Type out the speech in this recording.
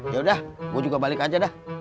yaudah gue juga balik aja dah